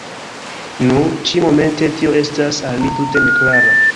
Nu, ĉi-momente tio estas al mi tute ne klara.